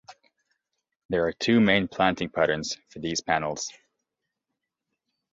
There are two main planting patterns for these panels.